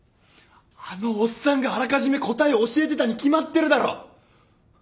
あのおっさんがあらかじめ答えを教えてたに決まってるだろ！